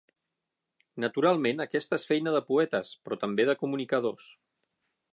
Naturalment, aquesta és feina de poetes, però també de comunicadors.